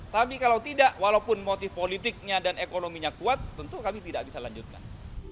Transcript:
tapi kalau tidak walaupun motif politiknya dan ekonominya kuat tentu kami tidak bisa lanjutkan